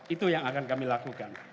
itu yang akan kami lakukan